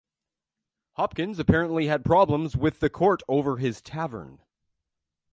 Hopkins apparently had problems with the Court over his tavern.